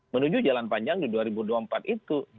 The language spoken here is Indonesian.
menuju jalan panjang di dua ribu dua puluh empat itu